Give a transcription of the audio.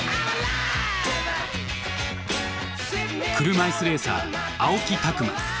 車いすレーサー青木拓磨。